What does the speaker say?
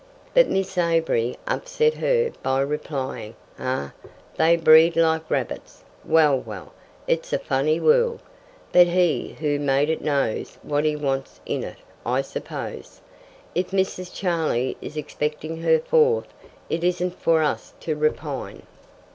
But Miss Avery upset her by replying: "Ay, they breed like rabbits. Well, well, it's a funny world. But He who made it knows what He wants in it, I suppose. If Mrs. Charlie is expecting her fourth, it isn't for us to repine."